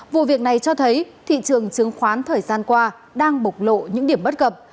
vụ việc này cho thấy thị trường chứng khoán thời gian qua đang bộc lộ những điểm bất cập